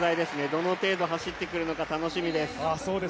どの程度は知ってくるか、楽しみです。